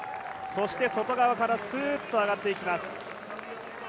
外側からすーっと上がっていきます。